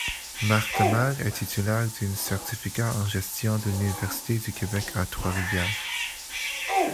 Marc Demers est titulaire d’un Certificat en gestion de l’Université du Québec à Trois-Rivières.